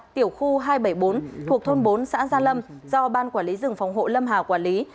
tiểu khu hai trăm bảy mươi bốn thuộc thôn bốn xã gia lâm do ban quản lý rừng phòng hộ lâm hà quản lý